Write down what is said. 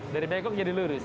dari begok jadi lurus